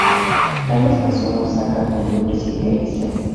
Carlos Kasuga Osaka fundó y presidió el liceo.